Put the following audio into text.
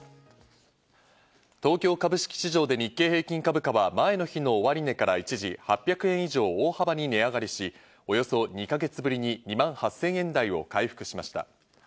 東京株式市場で日経平均株価は前の日の終値から一時８００円以上大幅に値上がりし、およそ２か月ぶりに２万８０００円台を回復しました。